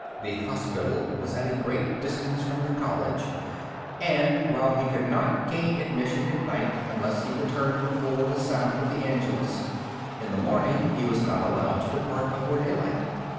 The hospital was at a great distance from the college, and while he could not gain admission at night unless he returned before the sound of the Angelus, in the morning he was not allowed to depart before daylight.